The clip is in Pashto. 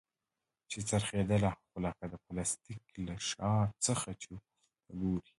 چې څرخېدله خو لکه د پلاستيک له شا څخه چې ورته وگورې.